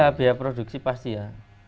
ya biaya produksi pasti ya